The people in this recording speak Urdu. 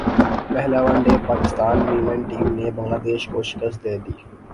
پہلا one day Pakistan women team نے بنگلہ دیش کو شکست دے دی